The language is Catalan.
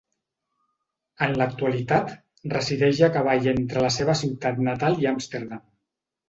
En l'actualitat, resideix a cavall entre la seva ciutat natal i Amsterdam.